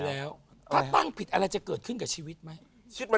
ถ้าตั้งผิดอะไรจะเขิดให้ชีวิตกันไหม